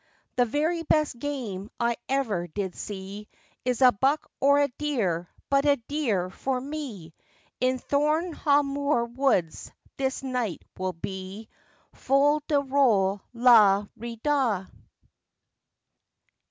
The very best game I ever did see, Is a buck or a deer, but a deer for me! In Thornehagh Moor woods this night we'll be! Fol de rol, la re da!